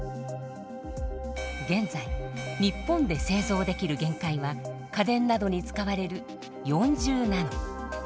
現在日本で製造できる限界は家電などに使われる４０ナノ。